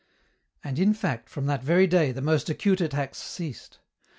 And in fact, from that very day the most acute attacks ceased.